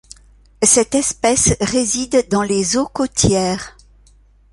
Cette espèce réside dans les eaux côtières.